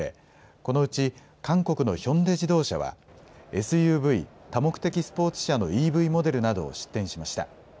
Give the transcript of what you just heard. このうち韓国のヒョンデ自動車はＳＵＶ・多目的スポーツ車のＥＶモデルなどを出展しました。